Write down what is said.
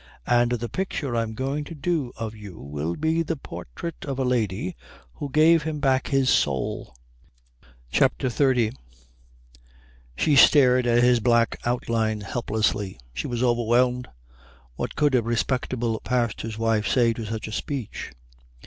And the picture I'm going to do of you will be the Portrait of a Lady who gave him back his Soul." CHAPTER XXX She stared at his black outline helplessly. She was overwhelmed. What could a respectable pastor's wife say to such a speech?